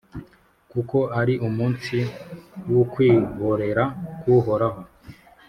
Kuko ari umunsi w’ukwihorera k’Uhoraho,